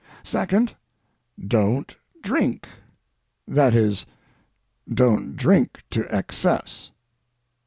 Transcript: Second, don't drink—that is, don't drink to excess.